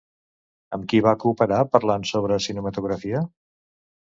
Amb qui va cooperar parlant sobre cinematografia?